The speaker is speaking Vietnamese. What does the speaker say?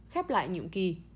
khép lại nhiệm kỳ